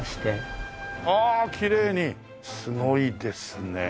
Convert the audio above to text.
すごいですね。